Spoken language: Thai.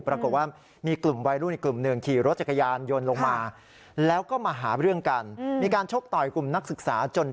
ปรากฏว่ามีกลุ่มวัยรุ่นกลุ่มเหนืองขี่รถจักรยาน